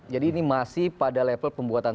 jadi ini masih pada level pembuatan